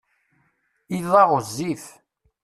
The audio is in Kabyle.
Iḍ-a ɣezzif.